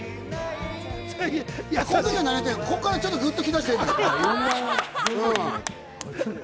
ここからちょっとグッときだしてる。